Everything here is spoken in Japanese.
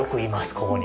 ここに。